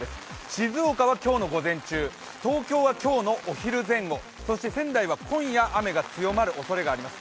静岡は今日の午前中、東京は今日のお昼前後、仙台は今夜雨が強まるおそれがあります。